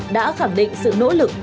đã khẳng định sự nỗ lực